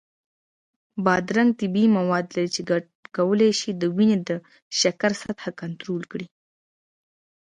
بادرنګ طبیعي مواد لري چې کولی شي د وینې د شکر سطحه کنټرول کړي.